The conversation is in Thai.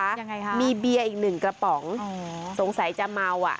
ยังไงคะมีเบียร์อีกหนึ่งกระป๋องสงสัยจะเมาอ่ะ